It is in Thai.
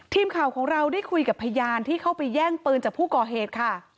ทีมข่าวของเราได้คุยกับพยานที่เข้าไปแย่งปืนจากผู้ก่อเหตุค่ะ